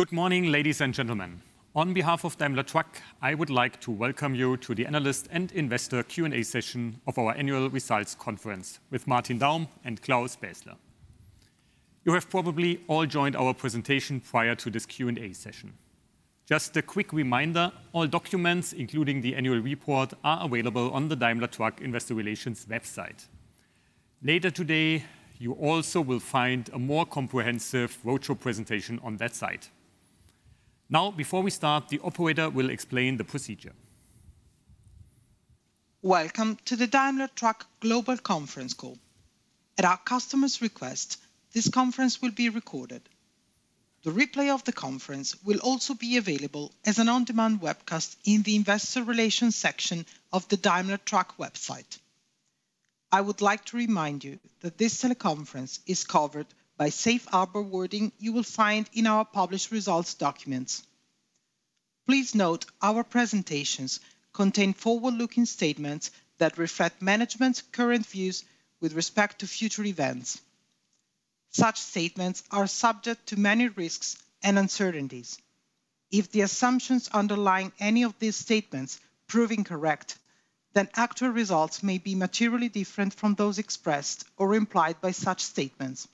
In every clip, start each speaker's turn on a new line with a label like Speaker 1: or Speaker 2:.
Speaker 1: Good morning, ladies and gentlemen. On behalf of Daimler Truck, I would like to welcome you to the Analyst and Investor Q&A session of our annual results conference with Martin Daum and Claus Bässler. You have probably all joined our presentation prior to this Q&A session. Just a quick reminder, all documents, including the annual report, are available on the Daimler Truck Investor Relations website. Later today, you also will find a more comprehensive virtual presentation on that site. Now, before we start, the operator will explain the procedure.
Speaker 2: Welcome to the Daimler Truck Global Conference Call. At our customer's request, this conference will be recorded. The replay of the conference will also be available as an on-demand webcast in the Investor Relations section of the Daimler Truck website. I would like to remind you that this teleconference is covered by safe harbor wording you will find in our published results documents. Please note, our presentations contain forward-looking statements that reflect management's current views with respect to future events. Such statements are subject to many risks and uncertainties. If the assumptions underlying any of these statements prove incorrect, then actual results may be materially different from those expressed or implied by such statements.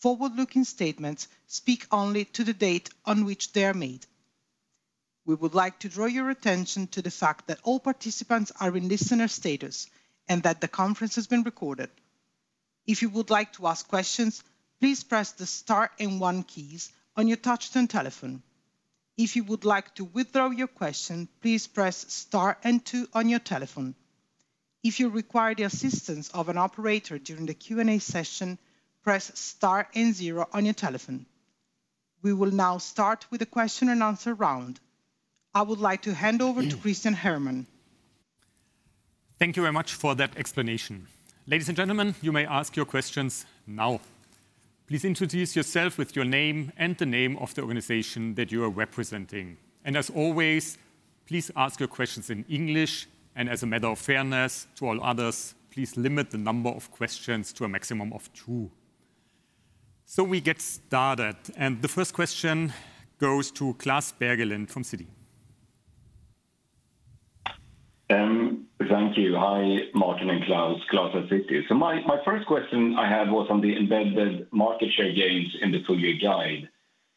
Speaker 2: Forward-looking statements speak only to the date on which they are made. We would like to draw your attention to the fact that all participants are in listener status and that the conference has been recorded. If you would like to ask questions, please press the star and one keys on your touchtone telephone. If you would like to withdraw your question, please press star and two on your telephone. If you require the assistance of an operator during the Q&A session, press star and zero on your telephone. We will now start with the question-and-answer round. I would like to hand over to Christian Herrmann.
Speaker 1: Thank you very much for that explanation. Ladies and gentlemen, you may ask your questions now. Please introduce yourself with your name and the name of the organization that you are representing, and as always, please ask your questions in English, and as a matter of fairness to all others, please limit the number of questions to a maximum of two. So we get started, and the first question goes to Klas Bergelind from Citi.
Speaker 3: Thank you. Hi, Martin and Claus, Klas at Citi. So my first question I had was on the embedded market share gains in the full year guide.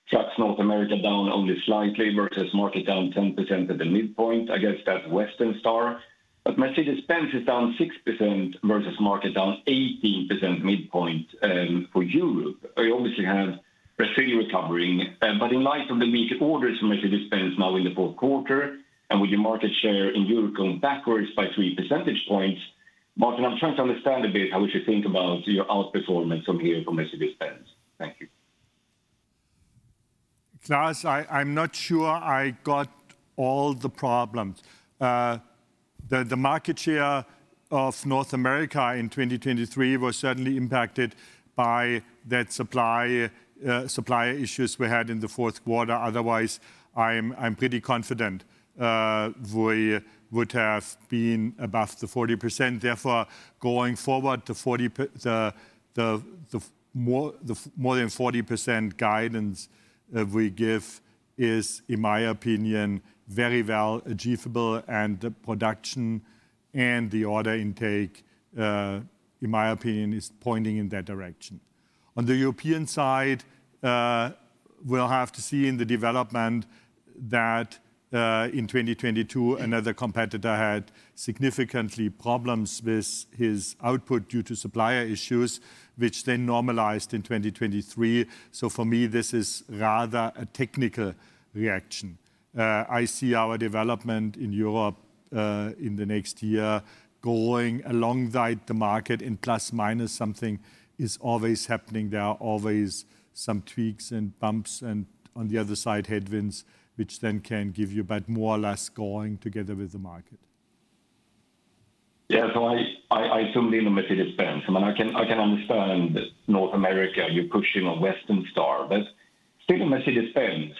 Speaker 3: Trucks North America down only slightly versus market down 10% at the midpoint. I guess that's Western Star. But Mercedes-Benz is down 6% versus market down 18% midpoint, for Europe. You obviously have Brazil recovering, but in light of the weak orders for Mercedes-Benz now in the fourth quarter, and with your market share in Europe going backwards by 3 percentage points, Martin, I'm trying to understand a bit how we should think about your outperformance from here for Mercedes-Benz. Thank you.
Speaker 4: Claus, I'm not sure I got all the problems. The market share of North America in 2023 was certainly impacted by that supply supplier issues we had in the fourth quarter. Otherwise, I'm pretty confident we would have been above the 40%. Therefore, going forward, the more than 40% guidance that we give is, in my opinion, very well achievable, and the production and the order intake, in my opinion, is pointing in that direction. On the European side, we'll have to see in the development that in 2022, another competitor had significant problems with his output due to supplier issues, which then normalized in 2023. So for me, this is rather a technical reaction. I see our development in Europe, in the next year, going alongside the market in plus, minus, something is always happening. There are always some tweaks and bumps and, on the other side, headwinds, which then can give you, but more or less going together with the market.
Speaker 3: Yeah, so I totally know Mercedes-Benz. I mean, I can understand that North America, you're pushing on Western Star, but speaking of Mercedes-Benz,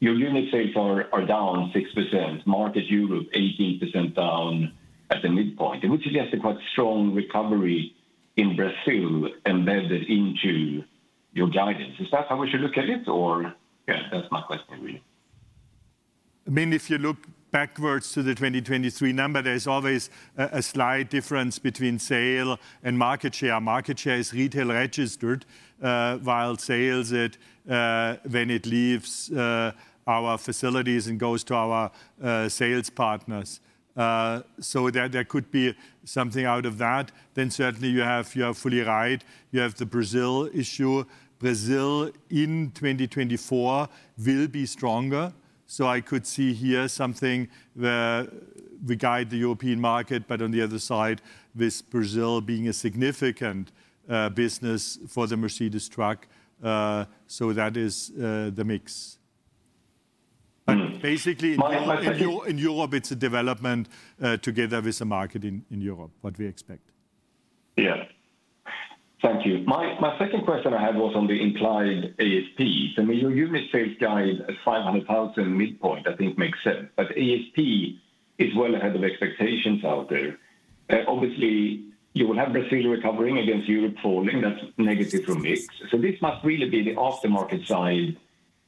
Speaker 3: your unit sales are down 6%, market Europe, 18% down at the midpoint, which is just a quite strong recovery in Brazil, embedded into your guidance. Is that how we should look at it, or... Yeah, that's my question, really.
Speaker 4: I mean, if you look backwards to the 2023 number, there is always a slight difference between sale and market share. Market share is retail registered, while sales, it, when it leaves, our facilities and goes to our, sales partners. So there, there could be something out of that. Then certainly you have, you are fully right, you have the Brazil issue. Brazil, in 2024, will be stronger, so I could see here something regard the European market, but on the other side, with Brazil being a significant, business for the Mercedes truck, so that is, the mix. But basically-
Speaker 3: My second-...
Speaker 4: in Europe, it's a development together with the market in Europe, what we expect.
Speaker 3: Yeah. Thank you. My, my second question I had was on the inclined ASP. I mean, your unit sales guide at 500,000 midpoint, I think makes sense, but ASP is well ahead of expectations out there.... Obviously, you will have Brazil recovering against Europe falling, that's negative from mix. So this must really be the aftermarket side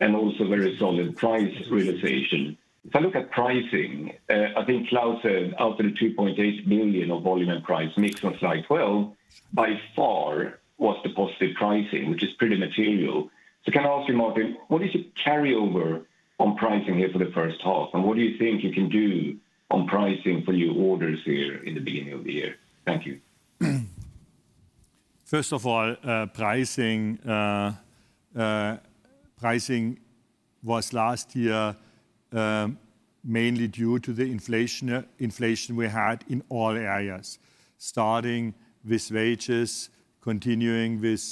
Speaker 3: and also very solid price realization. If I look at pricing, I think Claus said out of the 3.8 billion of volume and price mix on slide 12, by far was the positive pricing, which is pretty material. So can I ask you, Martin, what is the carryover on pricing here for the first half? And what do you think you can do on pricing for your orders here in the beginning of the year? Thank you.
Speaker 4: First of all, pricing, pricing was last year, mainly due to the inflation we had in all areas, starting with wages, continuing with,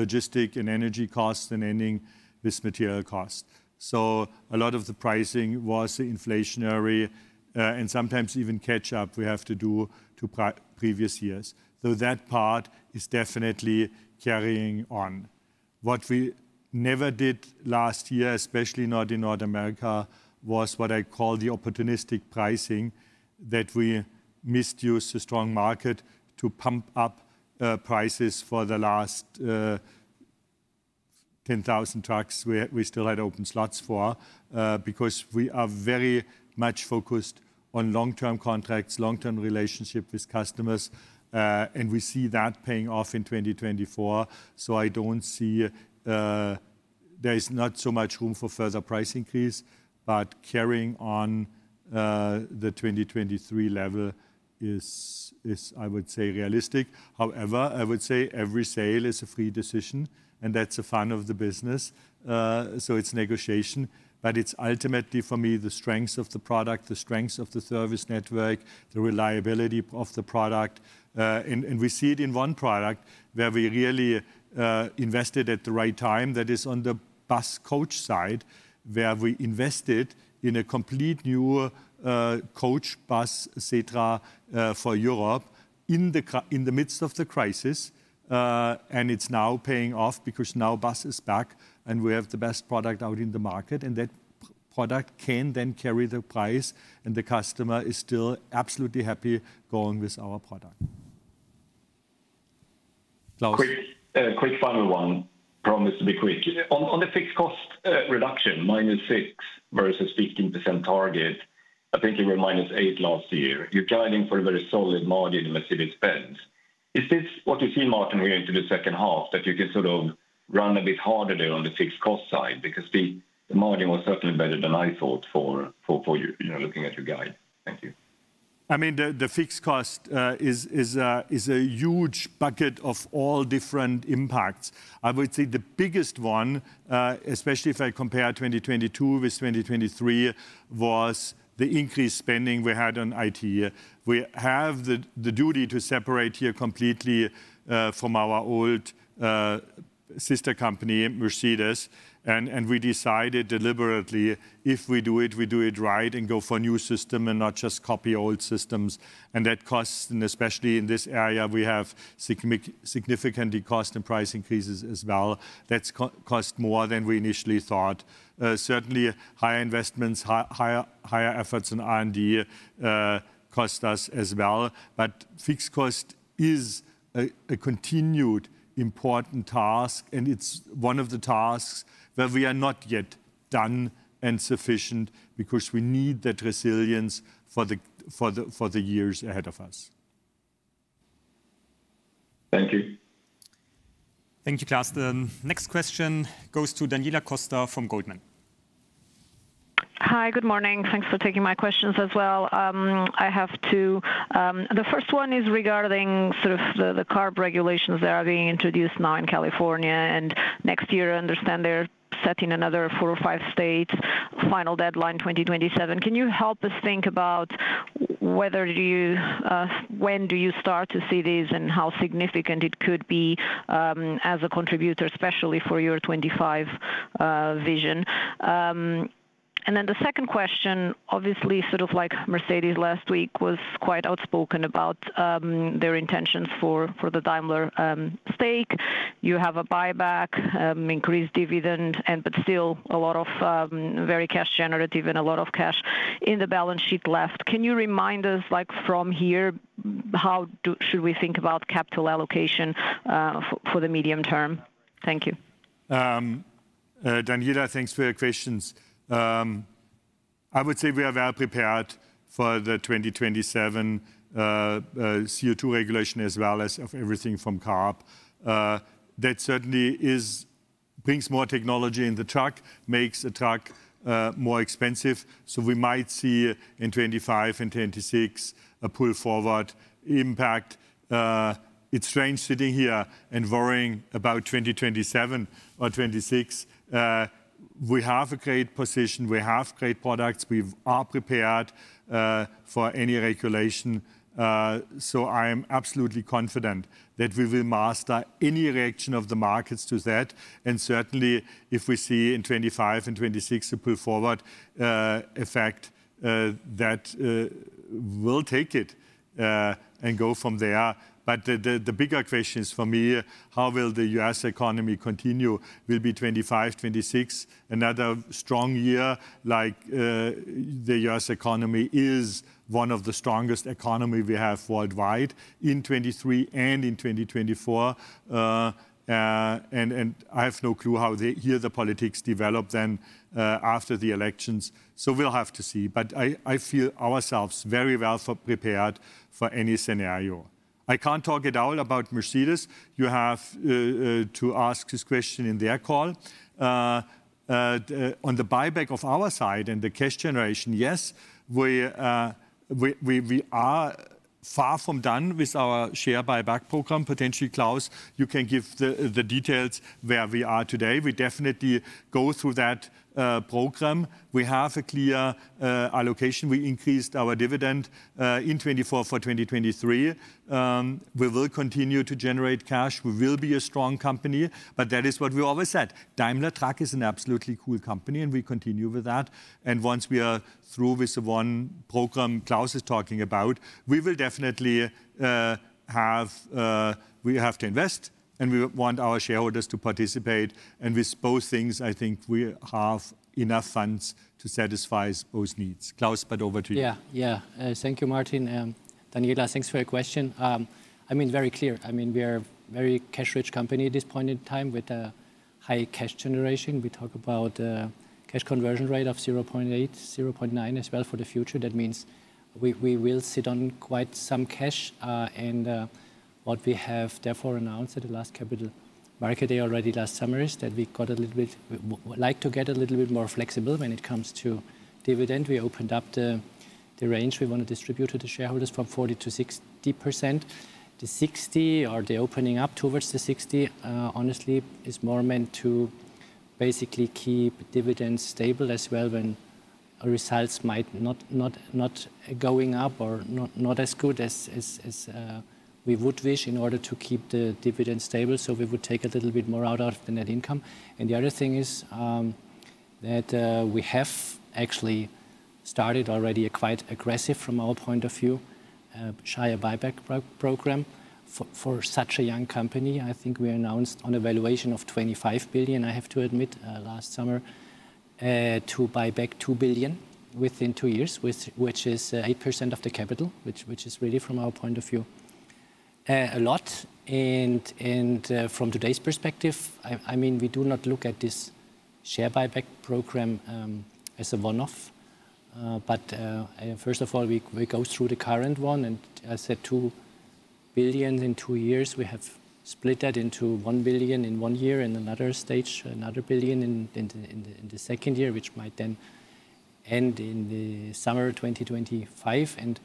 Speaker 4: logistics and energy costs, and ending with material costs. So a lot of the pricing was inflationary, and sometimes even catch up we have to do to previous years. So that part is definitely carrying on. What we never did last year, especially not in North America, was what I call the opportunistic pricing, that we misused a strong market to pump up, prices for the last, 10,000 trucks we still had open slots for. Because we are very much focused on long-term contracts, long-term relationship with customers, and we see that paying off in 2024. So I don't see... There is not so much room for further price increase, but carrying on, the 2023 level is, is, I would say, realistic. However, I would say every sale is a free decision, and that's the fun of the business. So it's negotiation, but it's ultimately, for me, the strength of the product, the strength of the service network, the reliability of the product. And, and we see it in one product where we really, invested at the right time, that is on the bus coach side, where we invested in a complete new, coach bus, Setra, for Europe in the midst of the crisis. It's now paying off because now bus is back, and we have the best product out in the market, and that product can then carry the price, and the customer is still absolutely happy going with our product. Claus?
Speaker 3: Quick, quick final one. Promise to be quick. On, on the fixed cost, reduction, -6% versus 15% target, I think you were -8% last year. You're guiding for a very solid margin in Mercedes-Benz. Is this what you see, Martin, going into the second half, that you can sort of run a bit harder there on the fixed cost side? Because the margin was certainly better than I thought for you, you know, looking at your guide. Thank you.
Speaker 4: I mean, the fixed cost is a huge bucket of all different impacts. I would say the biggest one, especially if I compare 2022 with 2023, was the increased spending we had on IT. We have the duty to separate here completely from our old sister company, Mercedes, and we decided deliberately, if we do it, we do it right and go for a new system and not just copy old systems. And that costs, and especially in this area, we have significantly cost and price increases as well. That's cost more than we initially thought. Certainly, higher investments, higher efforts in R&D, cost us as well. But fixed cost is a continued important task, and it's one of the tasks that we are not yet done and sufficient because we need that resilience for the years ahead of us.
Speaker 3: Thank you.
Speaker 1: Thank you, Klas. The next question goes to Daniela Costa from Goldman.
Speaker 5: Hi, good morning. Thanks for taking my questions as well. I have two. The first one is regarding sort of the, the CARB regulations that are being introduced now in California, and next year, I understand they're setting another 4 or 5 states, final deadline 2027. Can you help us think about whether do you, when do you start to see these and how significant it could be, as a contributor, especially for your 2025, vision? And then the second question, obviously, sort of like Mercedes last week, was quite outspoken about, their intentions for, for the Daimler, stake. You have a buyback, increased dividend, and but still a lot of, very cash generative and a lot of cash in the balance sheet left. Can you remind us, like from here, how should we think about capital allocation for the medium term? Thank you.
Speaker 4: Daniela, thanks for your questions. I would say we are well prepared for the 2027 CO2 regulation, as well as of everything from CARB. That certainly brings more technology in the truck, makes the truck more expensive. So we might see in 2025 and 2026 a pull-forward impact. It's strange sitting here and worrying about 2027 or 2026, we have a great position, we have great products. We are prepared for any regulation. So I am absolutely confident that we will master any reaction of the markets to that, and certainly, if we see in 2025 and 2026 a pull forward effect, that we'll take it and go from there. But the bigger question is for me, how will the U.S. economy continue? Will be 2025, 2026, another strong year like, the US economy is one of the strongest economy we have worldwide in 2023 and in 2024. And I have no clue how the year the politics develop then, after the elections, so we'll have to see. But I feel ourselves very well prepared for any scenario. I can't talk at all about Mercedes. You have to ask this question in their call. On the buyback of our side and the cash generation, yes, we are far from done with our share buyback program. Potentially, Claus, you can give the details where we are today. We definitely go through that program. We have a clear allocation. We increased our dividend in 2024 for 2023. We will continue to generate cash. We will be a strong company, but that is what we always said. Daimler Truck is an absolutely cool company, and we continue with that. And once we are through with the one program Claus is talking about, we will definitely have. We have to invest, and we want our shareholders to participate, and with both things, I think we have enough funds to satisfy both needs. Claus, back over to you.
Speaker 6: Yeah, yeah. Thank you, Martin. Daniela, thanks for your question. I mean, very clear, I mean, we are very cash-rich company at this point in time with a high cash generation. We talk about cash conversion rate of 0.8, 0.9 as well for the future. That means we will sit on quite some cash. What we have therefore announced at the last Capital Market Day already last summer is that we like to get a little bit more flexible when it comes to dividend. We opened up the range we want to distribute to the shareholders from 40%-60%. The 60, or the opening up towards the 60, honestly, is more meant to basically keep dividends stable as well when our results might not going up or not as good as we would wish, in order to keep the dividend stable, so we would take a little bit more out of the net income. The other thing is, that we have actually started already a quite aggressive, from our point of view, share buyback program for such a young company. I think we announced on a valuation of 25 billion, I have to admit, last summer, to buy back 2 billion within 2 years, which is 8% of the capital, which is really, from our point of view, a lot. From today's perspective, I mean, we do not look at this share buyback program as a one-off. First of all, we go through the current one, and I said 2 billion in two years. We have split that into 1 billion in one year and another stage, another 1 billion in the second year, which might then end in the summer 2025. And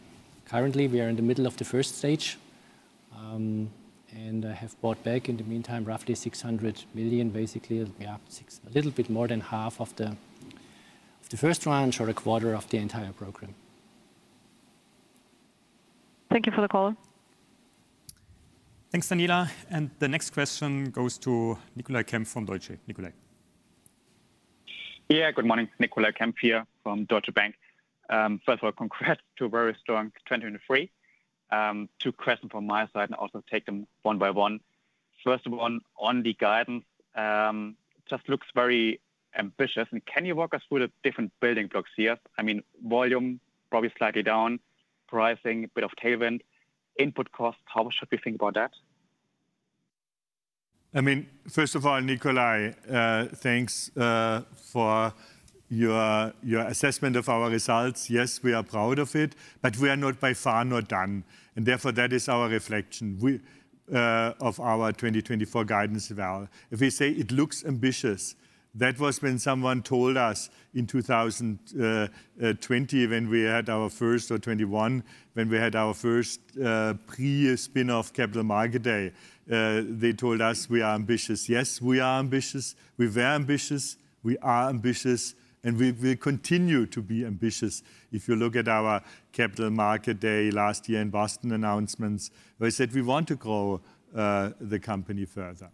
Speaker 6: currently, we are in the middle of the first stage, and I have bought back, in the meantime, roughly 600 million. Basically, we are six- a little bit more than half of the first tranche or a quarter of the entire program.
Speaker 7: Thank you for the call.
Speaker 1: Thanks, Daniela, and the next question goes to Nicolai Kempf from Deutsche. Nicolai?
Speaker 8: Yeah, good morning. Nicolai Kempf here from Deutsche Bank. First of all, congrats to a very strong 2023. Two question from my side, and I'll also take them one by one. First of all, on, on the guidance, just looks very ambitious, and can you walk us through the different building blocks here? I mean, volume, probably slightly down, pricing, a bit of tailwind, input costs, how should we think about that?
Speaker 4: I mean, first of all, Nicolai, thanks, for your, your assessment of our results. Yes, we are proud of it, but we are not by far not done, and therefore, that is our reflection. We, of our 2024 guidance as well. If you say it looks ambitious, that was when someone told us in 2020, when we had our first... or '21, when we had our first, pre-spin off Capital Market Day. They told us we are ambitious. Yes, we are ambitious. We were ambitious, we are ambitious, and we, we continue to be ambitious. If you look at our Capital Market Day last year in Boston announcements, we said we want to grow, the company further.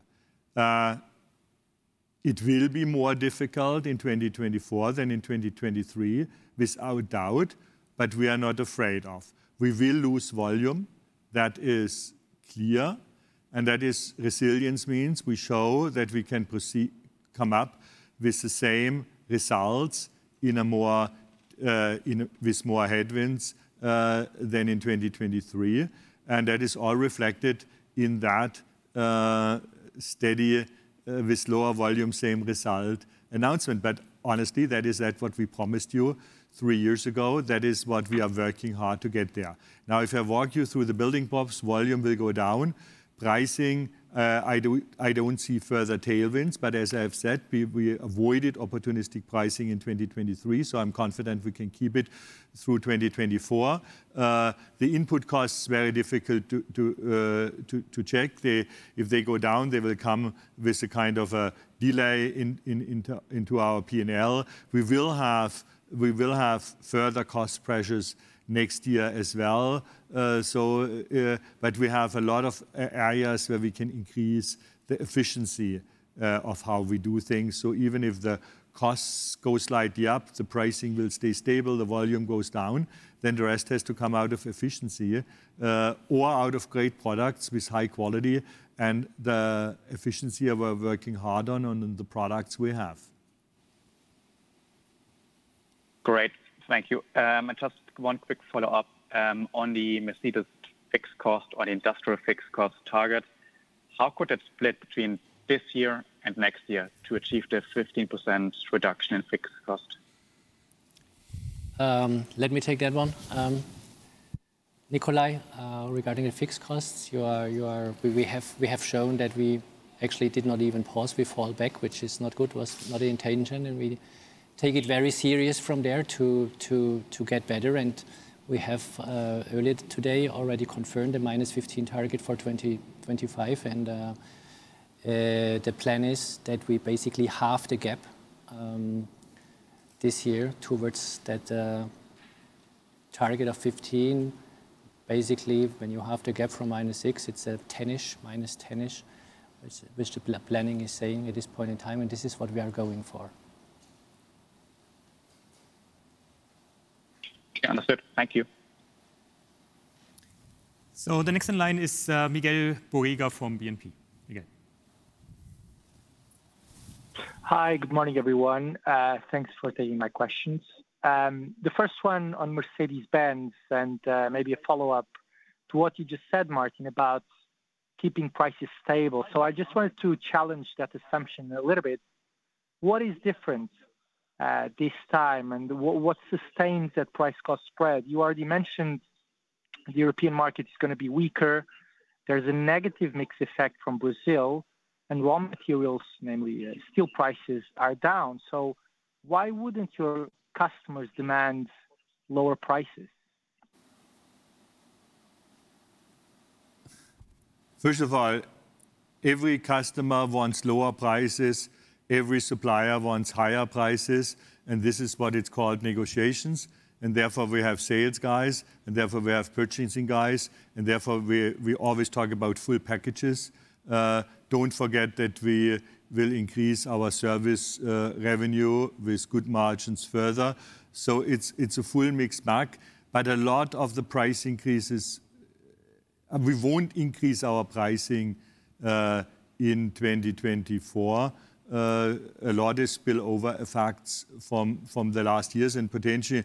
Speaker 4: It will be more difficult in 2024 than in 2023, without doubt, but we are not afraid of. We will lose volume. That is clear, and that is resilience means we show that we can come up with the same results in a more with more headwinds than in 2023, and that is all reflected in that steady, with lower volume, same result announcement. But honestly, that is that what we promised you three years ago, that is what we are working hard to get there. Now, if I walk you through the building blocks, volume will go down. Pricing, I don't see further tailwinds, but as I have said, we avoided opportunistic pricing in 2023, so I'm confident we can keep it through 2024. The input cost is very difficult to check. If they go down, they will come with a kind of a delay into our PNL. We will have further cost pressures next year as well. So, but we have a lot of areas where we can increase the efficiency of how we do things. So even if the costs go slightly up, the pricing will stay stable, the volume goes down, then the rest has to come out of efficiency or out of great products with high quality and the efficiency of we're working hard on, on the products we have.
Speaker 8: Great. Thank you. Just one quick follow-up on the Mercedes fixed cost or the industrial fixed cost target. How could it split between this year and next year to achieve the 15% reduction in fixed cost?
Speaker 6: Let me take that one. Nicolai, regarding the fixed costs, we have shown that we actually did not even pause, we fell back, which is not good, was not intention, and we take it very serious from there to get better, and we have earlier today already confirmed a -15 target for 2025. The plan is that we basically halve the gap this year towards that target of 15. Basically, when you halve the gap from -6, it's a 10-ish, -10-ish, which the planning is saying at this point in time, and this is what we are going for.
Speaker 8: Understood. Thank you.
Speaker 1: The next in line is Miguel Borrega from BNP. Miguel.
Speaker 9: Hi, good morning, everyone. Thanks for taking my questions. The first one on Mercedes-Benz, and, maybe a follow-up to what you just said, Martin, about keeping prices stable. So I just wanted to challenge that assumption a little bit. What is different, this time, and what sustains that price-cost spread? You already mentioned the European market is gonna be weaker, there's a negative mix effect from Brazil, and raw materials, namely steel prices, are down. So why wouldn't your customers demand lower prices?
Speaker 4: First of all, every customer wants lower prices, every supplier wants higher prices, and this is what it's called negotiations, and therefore, we have sales guys, and therefore, we have purchasing guys, and therefore, we always talk about full packages. Don't forget that we will increase our service revenue with good margins further. So it's a full mixed bag, but a lot of the price increases... We won't increase our pricing in 2024. A lot is spillover effects from the last years, and potentially,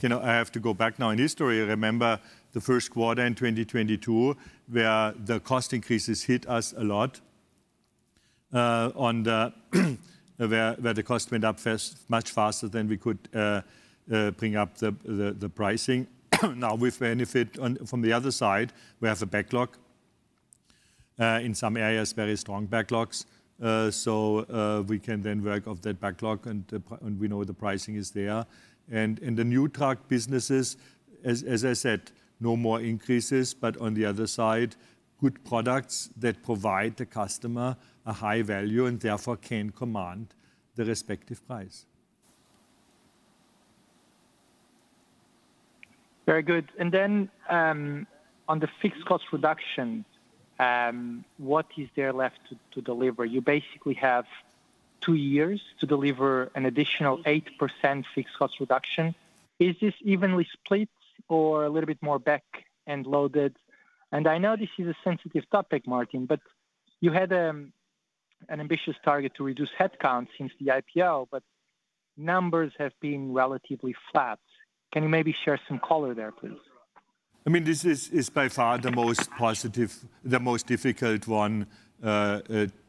Speaker 4: you know, I have to go back now in history. Remember the first quarter in 2022, where the cost increases hit us a lot, where the cost went up fast, much faster than we could bring up the pricing. Now, we benefit from the other side, we have a backlog in some areas, very strong backlogs. So, we can then work off that backlog, and we know the pricing is there. And in the new truck businesses, as I said, no more increases, but on the other side, good products that provide the customer a high value and therefore can command the respective price.
Speaker 9: Very good. And then, on the fixed cost reduction, what is there left to deliver? You basically have two years to deliver an additional 8% fixed cost reduction. Is this evenly split or a little bit more back-end loaded? And I know this is a sensitive topic, Martin, but you had an ambitious target to reduce headcount since the IPO, but numbers have been relatively flat. Can you maybe share some color there, please?
Speaker 4: I mean, this is by far the most positive—the most difficult one,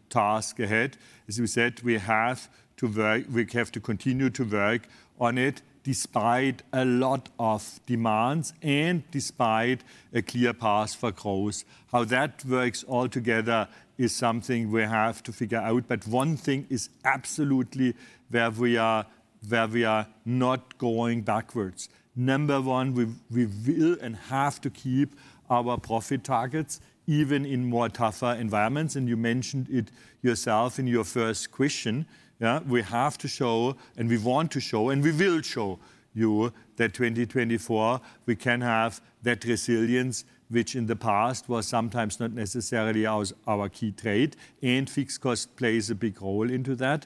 Speaker 4: task ahead. As we said, we have to work—we have to continue to work on it, despite a lot of demands and despite a clear path for growth. How that works altogether is something we have to figure out, but one thing is absolutely where we are, where we are not going backwards. Number one, we will and have to keep our profit targets even in more tougher environments, and you mentioned it yourself in your first question, yeah? We have to show, and we want to show, and we will show you that 2024, we can have that resilience, which in the past was sometimes not necessarily our key trait, and fixed cost plays a big role into that.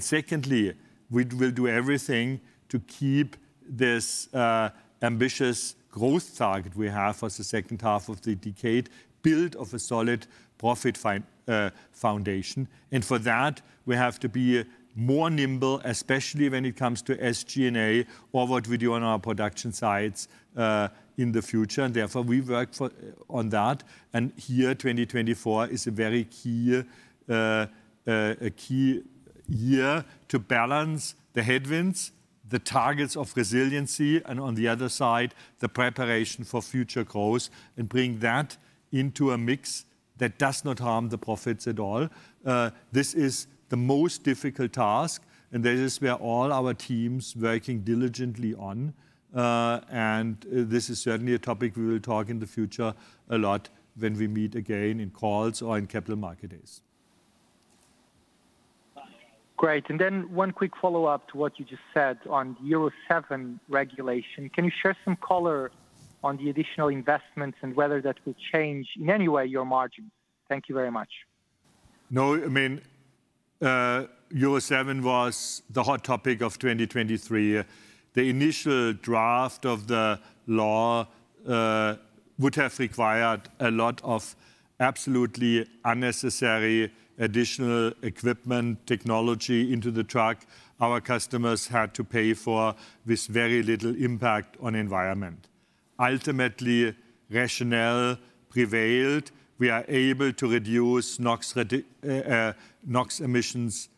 Speaker 4: Secondly, we will do everything to keep this ambitious growth target we have for the second half of the decade, built of a solid profit foundation. And for that, we have to be more nimble, especially when it comes to SG&A or what we do on our production sites in the future, and therefore, we work on that. Here, 2024 is a very key year to balance the headwinds, the targets of resiliency, and on the other side, the preparation for future growth, and bring that into a mix that does not harm the profits at all. This is the most difficult task, and this is where all our team's working diligently on. This is certainly a topic we will talk in the future a lot when we meet again in calls or in Capital Market Days.
Speaker 9: Great. And then one quick follow-up to what you just said on Euro 7 regulation. Can you share some color on the additional investments and whether that will change, in any way, your margins? Thank you very much.
Speaker 4: No, I mean, Euro 7 was the hot topic of 2023. The initial draft of the law would have required a lot of absolutely unnecessary additional equipment, technology into the truck our customers had to pay for, with very little impact on environment. Ultimately, rationale prevailed. We are able to reduce NOx emissions,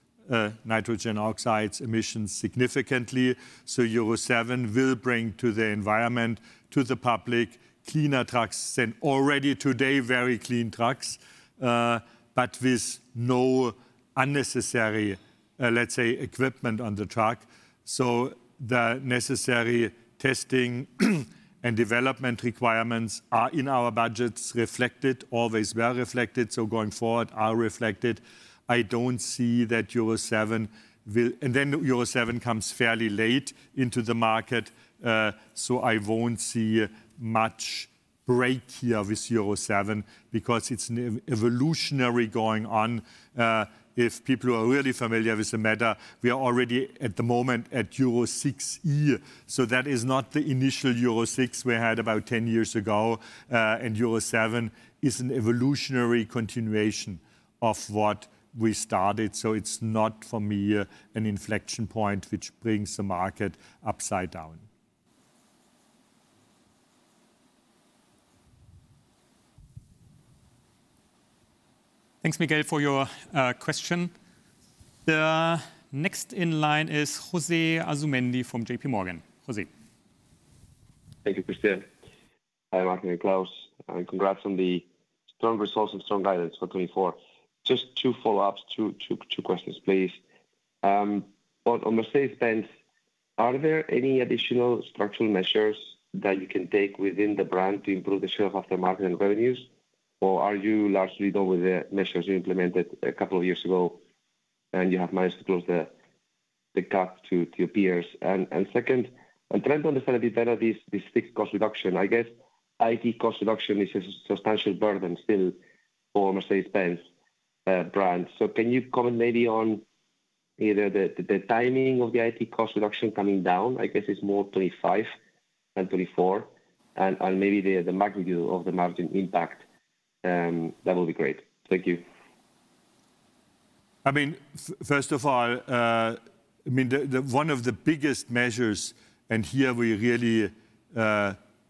Speaker 4: nitrogen oxides emissions significantly. So Euro 7 will bring to the environment, to the public, cleaner trucks than already today, very clean trucks, but with no unnecessary, let's say, equipment on the truck. So the necessary testing and development requirements are in our budgets, reflected, always well reflected, so going forward, are reflected. I don't see that Euro 7 will... Then Euro 7 comes fairly late into the market, so I won't see much break here with Euro 7 because it's an evolutionary going on. If people are really familiar with the matter, we are already at the moment at Euro 6e, so that is not the initial Euro 6 we had about 10 years ago. And Euro 7 is an evolutionary continuation of what we started, so it's not, for me, an inflection point, which brings the market upside down.
Speaker 1: Thanks, Miguel, for your question. The next in line is Jose Asumendi from JP Morgan. Jose?
Speaker 10: Thank you, Christian. Hi, Martin and Klas, and congrats on the strong results and strong guidance for 2024. Just two follow-ups, two questions, please. On Mercedes-Benz, are there any additional structural measures that you can take within the brand to improve the share of aftermarket and revenues? Or are you largely done with the measures you implemented a couple of years ago, and you have managed to close the gap to your peers? Second, I'm trying to understand a bit better this fixed cost reduction. I guess IT cost reduction is a substantial burden still for Mercedes-Benz brand. So can you comment maybe on either the timing of the IT cost reduction coming down? I guess it's more 2025 than 2024, and maybe the magnitude of the margin impact, that will be great. Thank you.
Speaker 4: I mean, first of all, I mean, the one of the biggest measures, and here we really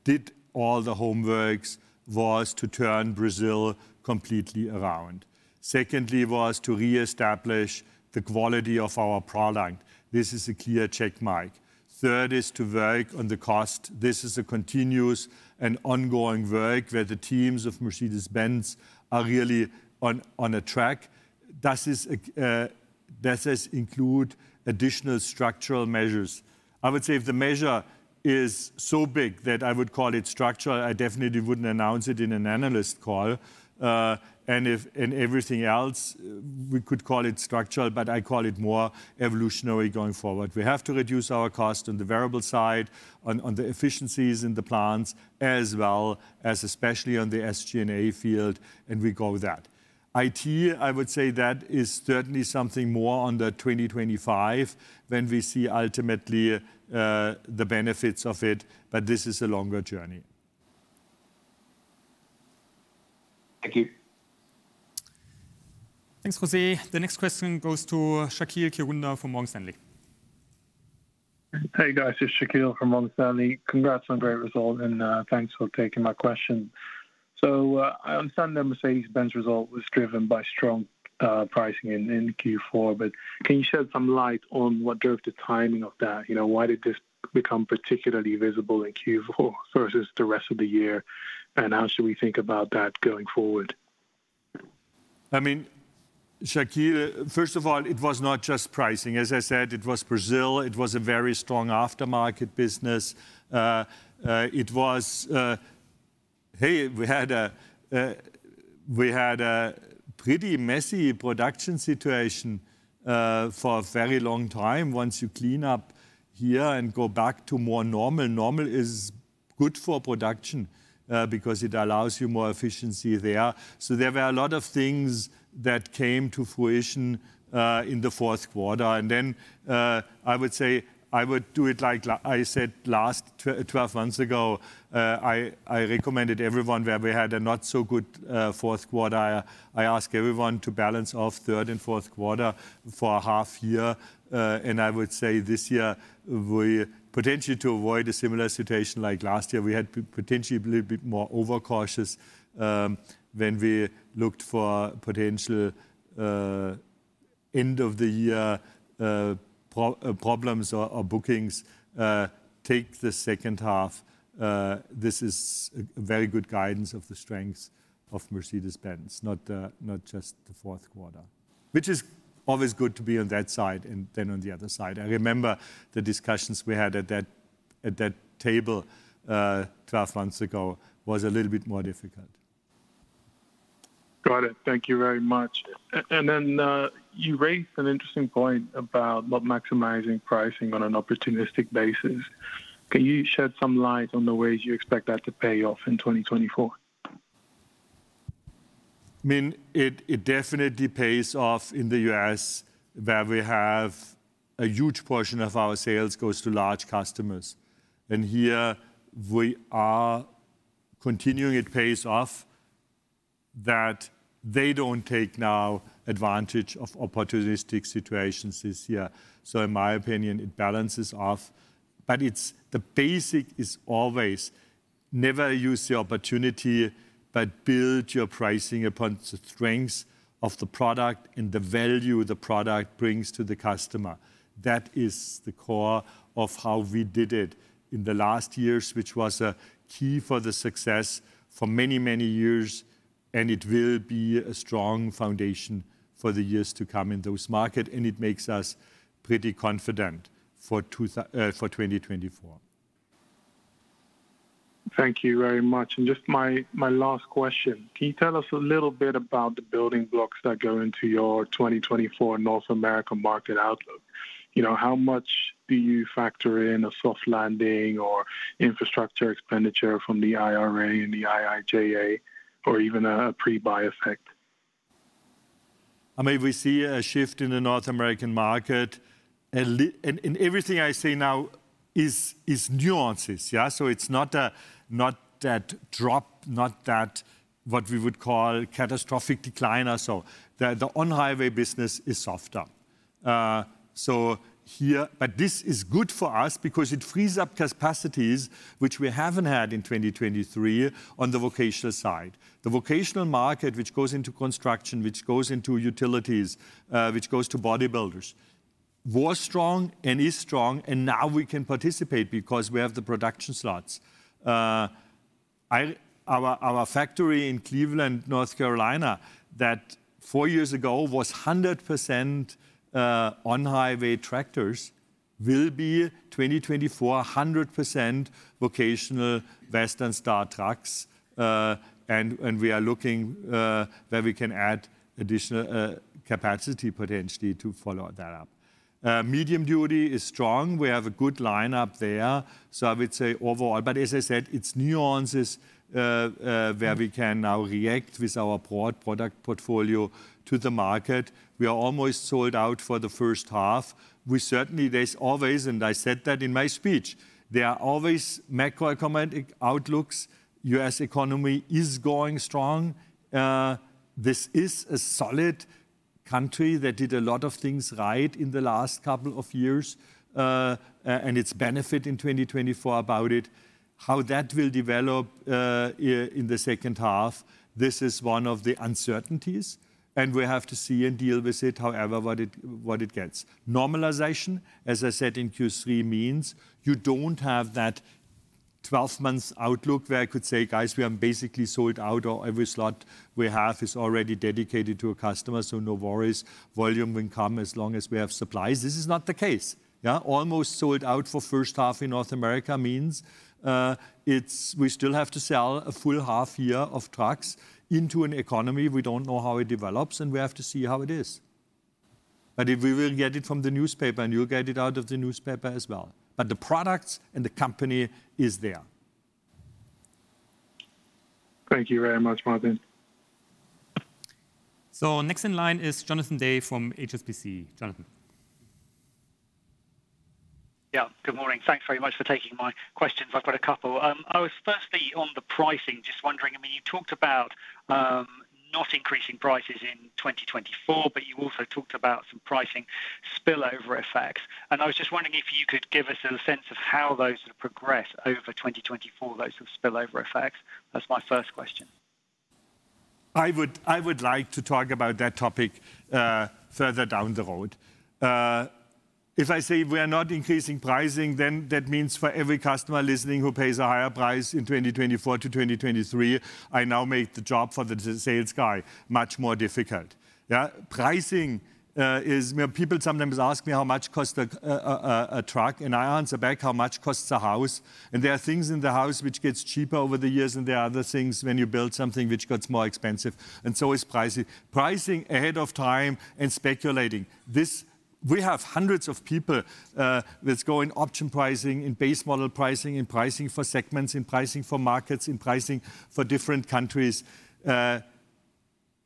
Speaker 4: did all the homeworks, was to turn Brazil completely around. Secondly, was to reestablish the quality of our product. This is a clear check mark. Third is to work on the cost. This is a continuous and ongoing work, where the teams of Mercedes-Benz are really on a track. Does this include, does this include additional structural measures? I would say if the measure is so big that I would call it structural, I definitely wouldn't announce it in an analyst call. And if in everything else, we could call it structural, but I call it more evolutionary going forward. We have to reduce our cost on the variable side, on, on the efficiencies in the plants, as well as especially on the SG&A field, and we go with that. IT, I would say that is certainly something more under 2025, when we see ultimately, the benefits of it, but this is a longer journey.
Speaker 10: Thank you.
Speaker 1: Thanks, Jose. The next question goes to Shakeel Kirunda from Morgan Stanley.
Speaker 11: Hey, guys, it's Shakeel from Morgan Stanley. Congrats on a great result, and thanks for taking my question. So, I understand the Mercedes-Benz result was driven by strong pricing in Q4, but can you shed some light on what drove the timing of that? You know, why did this become particularly visible in Q4 versus the rest of the year, and how should we think about that going forward?
Speaker 4: I mean, Shakeel, first of all, it was not just pricing. As I said, it was Brazil. It was a very strong aftermarket business. Hey, we had a pretty messy production situation for a very long time. Once you clean up here and go back to more normal, normal is good for production, because it allows you more efficiency there. So there were a lot of things that came to fruition in the fourth quarter. And then, I would say I would do it like I said last twelve months ago, I recommended everyone where we had a not so good fourth quarter. I ask everyone to balance off third and fourth quarter for a half year. And I would say this year, we potentially to avoid a similar situation like last year, we had potentially a little bit more overcautious, when we looked for potential, end of the year, problems or, or bookings, take the second half. This is a very good guidance of the strengths of Mercedes-Benz, not, not just the fourth quarter, which is always good to be on that side and then on the other side. I remember the discussions we had at that, at that table, 12 months ago was a little bit more difficult.
Speaker 11: Got it. Thank you very much. And then, you raised an interesting point about not maximizing pricing on an opportunistic basis. Can you shed some light on the ways you expect that to pay off in 2024?
Speaker 4: I mean, it definitely pays off in the U.S., where we have a huge portion of our sales goes to large customers, and here we are continuing. It pays off that they don't take now advantage of opportunistic situations this year. So in my opinion, it balances off, but it's the basic is always never use the opportunity, but build your pricing upon the strengths of the product and the value the product brings to the customer. That is the core of how we did it in the last years, which was a key for the success for many, many years, and it will be a strong foundation for the years to come in those market, and it makes us pretty confident for 2024.
Speaker 11: Thank you very much. Just my last question: Can you tell us a little bit about the building blocks that go into your 2024 North American market outlook? You know, how much do you factor in a soft landing or infrastructure expenditure from the IRA and the IIJA, or even a pre-buy effect?
Speaker 4: I mean, we see a shift in the North American market, and everything I say now is nuances, yeah? So it's not that drop, not that what we would call catastrophic decline or so. The on-highway business is softer. But this is good for us because it frees up capacities, which we haven't had in 2023 on the vocational side. The vocational market, which goes into construction, which goes into utilities, which goes to bodybuilders, was strong and is strong, and now we can participate because we have the production slots. Our factory in Cleveland, North Carolina, that four years ago was 100% on-highway tractors, will be 2024, 100% vocational Western Star trucks. We are looking where we can add additional capacity potentially to follow that up. Medium-duty is strong. We have a good lineup there, so I would say overall. But as I said, it's nuances where we can now react with our broad product portfolio to the market. We are almost sold out for the first half. We certainly, there's always, and I said that in my speech, there are always macroeconomic outlooks. U.S. economy is going strong. This is a solid country that did a lot of things right in the last couple of years, and its benefit in 2024 about it. How that will develop in the second half, this is one of the uncertainties, and we have to see and deal with it, however what it gets. Normalization, as I said, in Q3 means you don't have that 12 months outlook, where I could say, "Guys, we are basically sold out, or every slot we have is already dedicated to a customer, so no worries. Volume will come as long as we have supplies." This is not the case. Yeah, almost sold out for first half in North America means it's, we still have to sell a full half year of trucks into an economy we don't know how it develops, and we have to see how it is. But if we will get it from the newspaper, and you'll get it out of the newspaper as well, but the products and the company is there.
Speaker 11: Thank you very much, Martin.
Speaker 1: Next in line is Jonathan Day from HSBC. Jonathan.
Speaker 12: Yeah, good morning. Thanks very much for taking my questions. I've got a couple. I was firstly on the pricing, just wondering, I mean, you talked about not increasing prices in 2024, but you also talked about some pricing spillover effects. And I was just wondering if you could give us a sense of how those have progressed over 2024, those sort of spillover effects? That's my first question.
Speaker 4: I would like to talk about that topic further down the road. If I say we are not increasing pricing, then that means for every customer listening who pays a higher price in 2024 to 2023, I now make the job for the sales guy much more difficult. Yeah, pricing is... Well, people sometimes ask me, "How much costs a truck?" And I answer back: "How much costs a house?" And there are things in the house which gets cheaper over the years, and there are other things when you build something which gets more expensive, and so is pricing. Pricing ahead of time and speculating, we have hundreds of people that's going option pricing, and base model pricing, and pricing for segments, and pricing for markets, and pricing for different countries.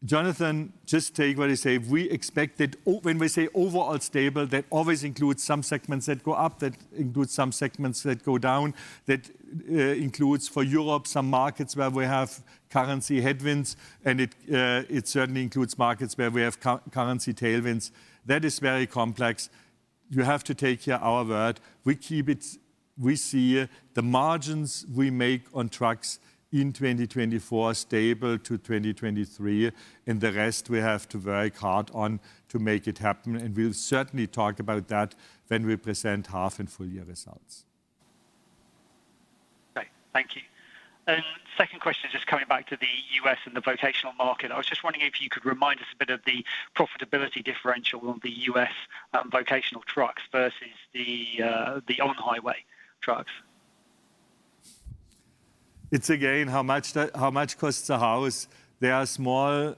Speaker 4: Jonathan, just take what I say. We expected, when we say overall stable, that always includes some segments that go up, that includes some segments that go down. That includes for Europe, some markets where we have currency headwinds, and it certainly includes markets where we have currency tailwinds. That is very complex. You have to take, yeah, our word. We keep it. We see the margins we make on trucks in 2024 stable to 2023, and the rest we have to work hard on to make it happen, and we'll certainly talk about that when we present half and full year results.
Speaker 12: Okay, thank you. Second question, just coming back to the U.S. and the vocational market. I was just wondering if you could remind us a bit of the profitability differential on the U.S. vocational trucks versus the on-highway trucks.
Speaker 4: It's again, how much costs a house? There are small,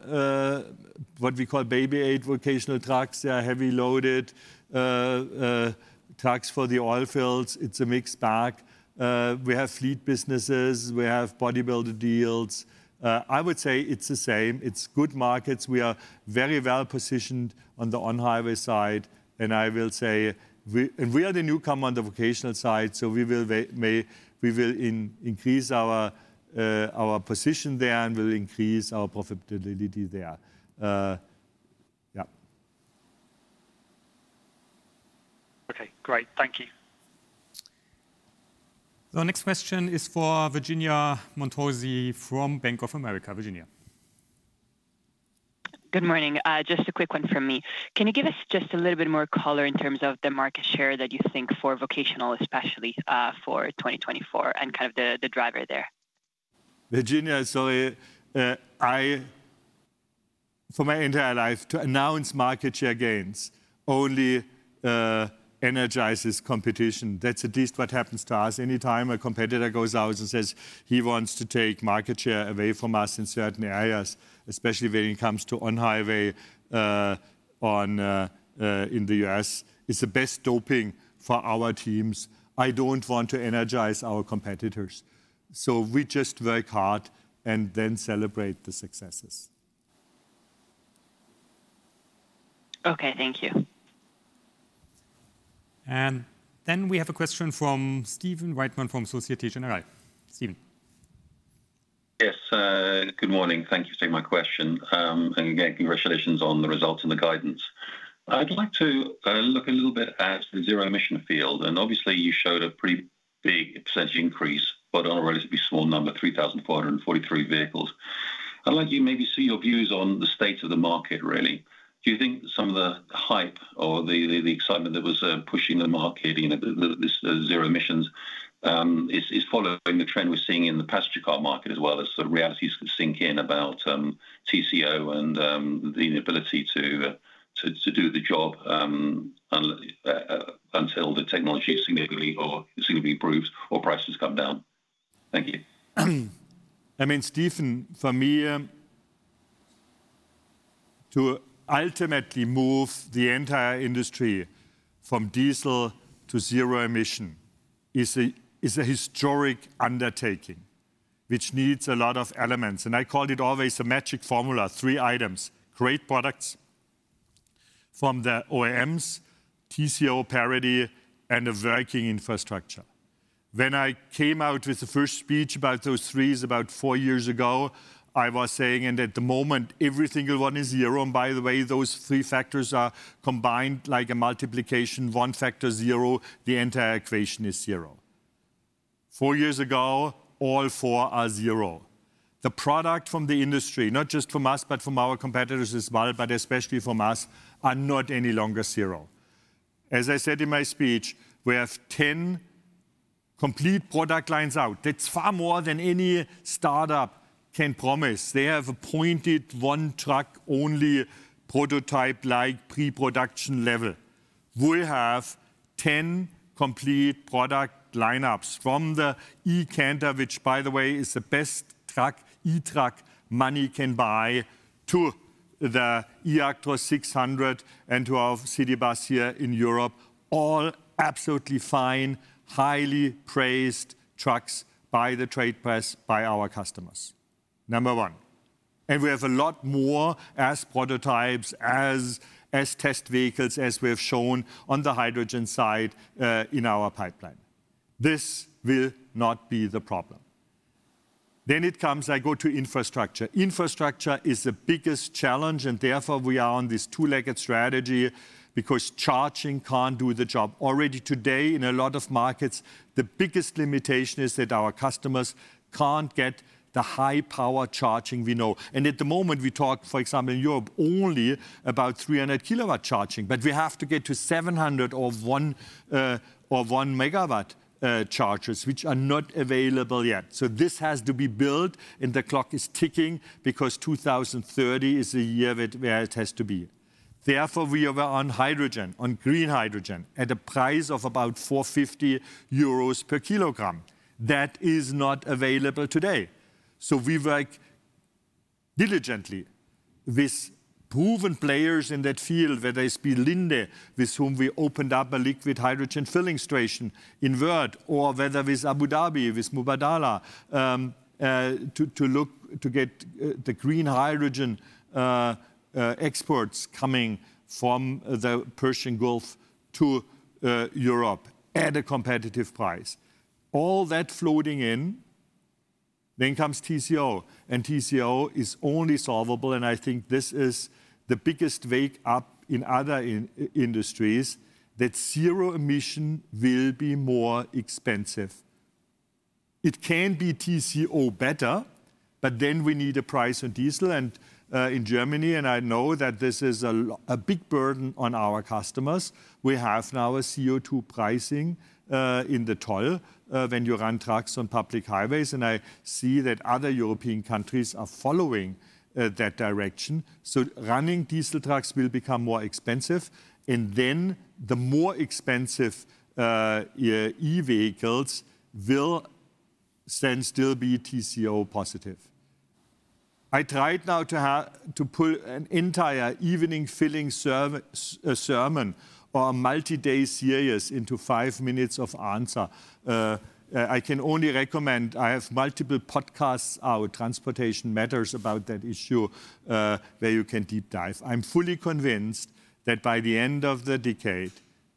Speaker 4: what we call baby aid vocational trucks. There are heavy loaded trucks for the oil fields. It's a mixed bag. We have fleet businesses. We have bodybuilder deals. I would say it's the same. It's good markets. We are very well positioned on the on-highway side, and I will say, we are the newcomer on the vocational side, so we will increase our our position there and we'll increase our profitability there. Yeah.
Speaker 12: Okay, great. Thank you.
Speaker 1: The next question is for Virginia Montosi from Bank of America. Virginia.
Speaker 13: Good morning. Just a quick one from me. Can you give us just a little bit more color in terms of the market share that you think for vocational, especially, for 2024, and kind of the, the driver there?
Speaker 4: Virginia, sorry. For my entire life, to announce market share gains only energizes competition. That's at least what happens to us. Anytime a competitor goes out and says he wants to take market share away from us in certain areas, especially when it comes to on-highway in the US, it's the best doping for our teams. I don't want to energize our competitors. So we just work hard and then celebrate the successes.
Speaker 13: Okay, thank you.
Speaker 1: And then we have a question from Stephen Reitman from Société Générale. Stephen.
Speaker 14: Yes, good morning. Thank you for taking my question, and again, congratulations on the results and the guidance. I'd like to look a little bit at the zero emission field, and obviously you showed a pretty big percentage increase, but on a relatively small number, 3,443 vehicles. I'd like to maybe see your views on the state of the market, really. Do you think some of the hype or the excitement that was pushing the market, you know, this, the zero emissions is following the trend we're seeing in the passenger car market, as well as the realities sink in about TCO and the inability to do the job until the technology is significantly or seemingly improved or prices come down? Thank you.
Speaker 4: I mean, Stephen, for me, to ultimately move the entire industry from diesel to zero emission is a historic undertaking, which needs a lot of elements, and I call it always a magic formula, three items: great products from the OEMs, TCO parity, and a working infrastructure. When I came out with the first speech about those threes, about four years ago, I was saying, and at the moment, every single one is zero, and by the way, those three factors are combined like a multiplication. One factor zero, the entire equation is zero. Four years ago, all four are zero. The product from the industry, not just from us, but from our competitors as well, but especially from us, are not any longer zero. As I said in my speech, we have 10 complete product lines out. That's far more than any startup can promise. They have appointed 1 truck-only prototype, like pre-production level. We have 10 complete product lineups, from the eCanter, which by the way, is the best truck, eTruck money can buy, to the eActros 600 and to our city bus here in Europe. All absolutely fine, highly praised trucks by the trade press, by our customers. Number one, and we have a lot more as prototypes, as test vehicles, as we have shown on the hydrogen side, in our pipeline. This will not be the problem. Then it comes, I go to infrastructure. Infrastructure is the biggest challenge, and therefore, we are on this two-legged strategy because charging can't do the job. Already today, in a lot of markets, the biggest limitation is that our customers can't get the high-power charging we know. At the moment, we talk, for example, in Europe, only about 300-kilowatt charging, but we have to get to 700 or 1 or 1-megawatt chargers, which are not available yet. So this has to be built, and the clock is ticking because 2030 is the year it has to be. Therefore, we are on hydrogen, on green hydrogen, at a price of about 450 euros per kilogram. That is not available today. So we work diligently with proven players in that field, whether it be Linde, with whom we opened up a liquid hydrogen filling station in Wörth, or whether with Abu Dhabi, with Mubadala, to look to get the green hydrogen exports coming from the Persian Gulf to Europe at a competitive price. All that floating in, then comes TCO, and TCO is only solvable, and I think this is the biggest wake up in other industries, that zero emission will be more expensive. It can be TCO better, but then we need a price on diesel and in Germany, and I know that this is a big burden on our customers, we have now a CO2 pricing in the toll when you run trucks on public highways, and I see that other European countries are following that direction. So running diesel trucks will become more expensive, and then the more expensive e-vehicles will then still be TCO positive. I tried now to put an entire evening filling services, a sermon or a multi-day series into five minutes of answer. I can only recommend. I have multiple podcasts out, Transportation Matters, about that issue, where you can deep dive. I'm fully convinced that by the end of the decade,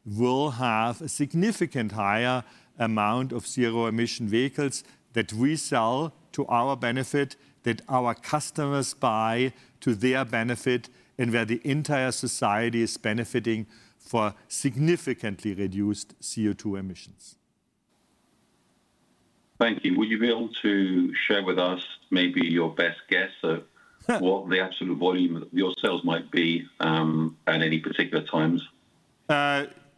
Speaker 4: we'll have a significant higher amount of zero-emission vehicles that we sell to our benefit, that our customers buy to their benefit, and where the entire society is benefiting for significantly reduced CO2 emissions.
Speaker 14: Thank you. Will you be able to share with us maybe your best guess of what the absolute volume of your sales might be at any particular times?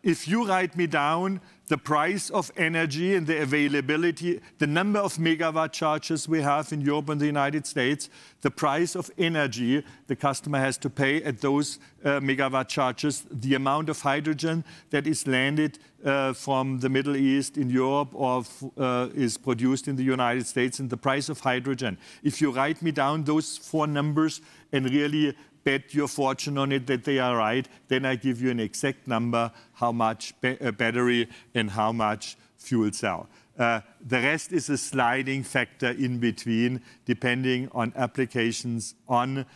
Speaker 4: If you write me down the price of energy and the availability, the number of megawatt chargers we have in Europe and the United States, the price of energy the customer has to pay at those megawatt chargers, the amount of hydrogen that is landed from the Middle East in Europe or is produced in the United States, and the price of hydrogen. If you write me down those four numbers and really bet your fortune on it that they are right, then I give you an exact number, how much battery and how much fuel cell. The rest is a sliding factor in between, depending on applications, on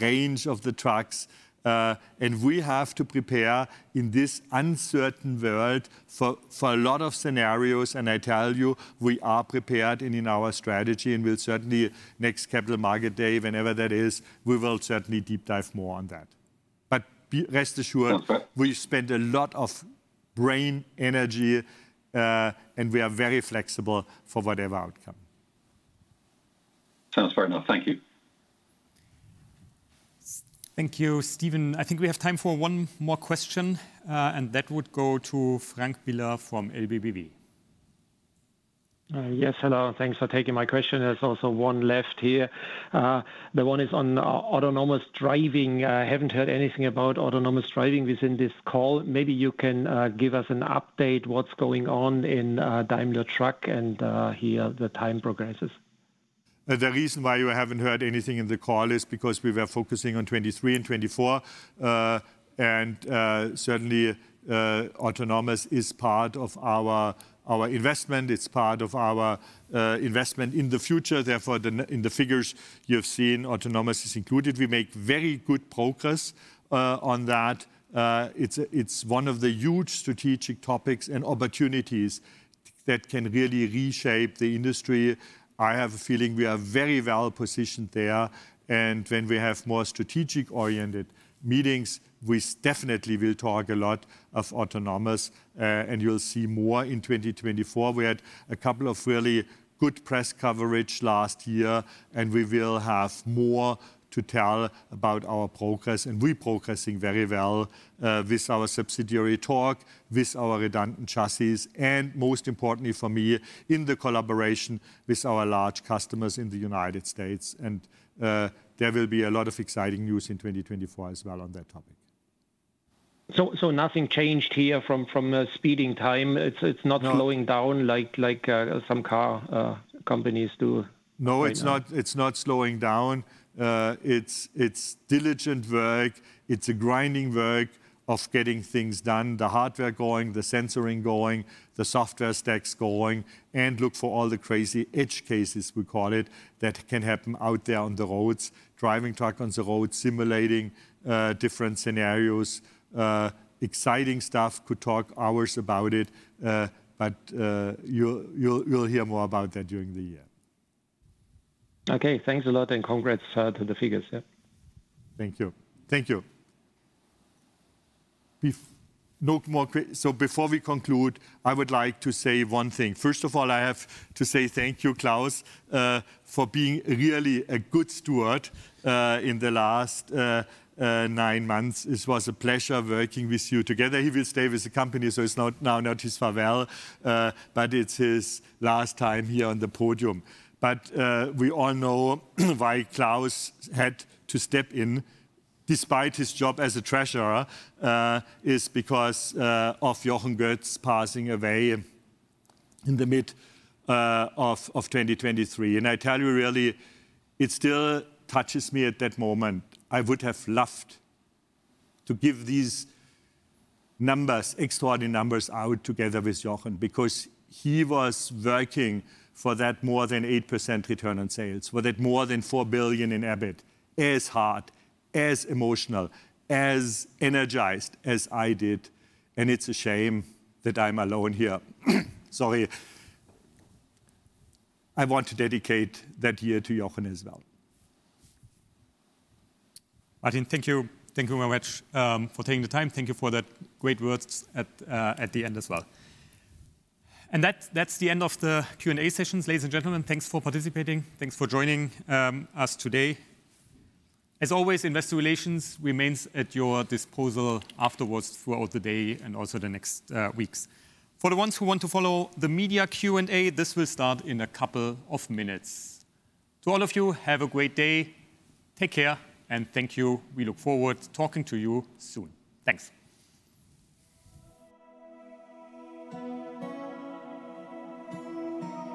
Speaker 4: range of the trucks. We have to prepare in this uncertain world for a lot of scenarios, and I tell you, we are prepared and in our strategy, and we'll certainly, next Capital Market Day, whenever that is, we will certainly deep dive more on that. But rest assured-
Speaker 14: Sounds good...
Speaker 4: we spend a lot of brain energy, and we are very flexible for whatever outcome.
Speaker 14: Sounds fair enough. Thank you.
Speaker 1: Thank you, Stephen. I think we have time for one more question, and that would go to Frank Biller from LBBW.
Speaker 15: Yes, hello, thanks for taking my question. There's also one left here. The one is on autonomous driving. I haven't heard anything about autonomous driving within this call. Maybe you can give us an update what's going on in Daimler Truck and here the time progresses.
Speaker 4: The reason why you haven't heard anything in the call is because we were focusing on 2023 and 2024. And certainly, autonomous is part of our investment. It's part of our investment in the future; therefore, in the figures you have seen, autonomous is included. We make very good progress on that. It's one of the huge strategic topics and opportunities that can really reshape the industry. I have a feeling we are very well positioned there, and when we have more strategic-oriented meetings, we definitely will talk a lot of autonomous, and you'll see more in 2024. We had a couple of really good press coverage last year, and we will have more to tell about our progress, and we're progressing very well, with our subsidiary Torc, with our redundant chassis, and most importantly for me, in the collaboration with our large customers in the United States. There will be a lot of exciting news in 2024 as well on that topic.
Speaker 15: So nothing changed here from speeding time? It's not-
Speaker 4: No...
Speaker 15: slowing down like, like, some car companies do right now?
Speaker 4: No, it's not, it's not slowing down. It's diligent work. It's a grinding work of getting things done, the hardware going, the sensing going, the software stacks going, and look for all the crazy edge cases, we call it, that can happen out there on the roads, driving truck on the road, simulating different scenarios. Exciting stuff, could talk hours about it, but you'll, you'll, you'll hear more about that during the year.
Speaker 15: Okay, thanks a lot, and congrats to the figures, yeah.
Speaker 4: Thank you. Thank you. So before we conclude, I would like to say one thing. First of all, I have to say thank you, Claus, for being really a good steward in the last nine months. It was a pleasure working with you together. He will stay with the company, so it's not his farewell, but it's his last time here on the podium. But we all know why Claus had to step in, despite his job as a treasurer, is because of Jochen Goetz passing away in the mid of 2023. And I tell you really, it still touches me at that moment. I would have loved to give these numbers, extraordinary numbers, out together with Jochen because he was working for that more than 8% return on sales, for that more than 4 billion in EBIT, as hard, as emotional, as energized as I did, and it's a shame that I'm alone here. Sorry. I want to dedicate that year to Jochen as well.
Speaker 1: Martin, thank you. Thank you very much for taking the time. Thank you for the great words at the end as well. That's the end of the Q&A sessions, ladies and gentlemen. Thanks for participating. Thanks for joining us today. As always, Investor Relations remains at your disposal afterwards, throughout the day, and also the next weeks. For the ones who want to follow the media Q&A, this will start in a couple of minutes. To all of you, have a great day. Take care, and thank you. We look forward to talking to you soon. Thanks.